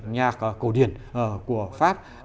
nhạc cổ điển của pháp